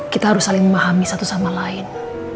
kita harus saling memahami satu sama lain